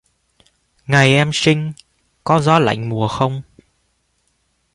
Ngày em sinh, có gió lạnh mùa không